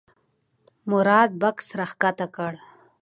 مراد بکس راښکته کړ.